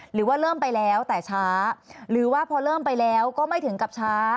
หรือว่าเริ่มไปแล้วแต่ช้าหรือว่าพอเริ่มไปแล้วก็ไม่ถึงกับช้า